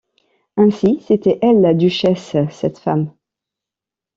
Ainsi c’était elle! la duchesse ! cette femme !